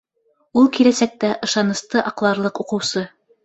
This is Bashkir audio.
Ул киләсәктә ышанысты аҡларлыҡ уҡыусы